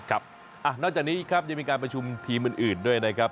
ครับนอกจากนี้ครับยังมีการประชุมทีมอื่นด้วยนะครับ